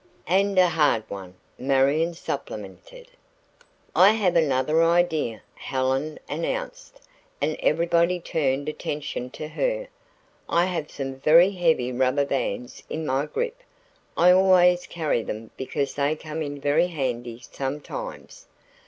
"And a hard one," Marion supplemented. "I have another idea," Helen announced, and everybody turned attention to her. "I have some heavy rubber bands in my grip. I always carry them because they come in very handy sometimes."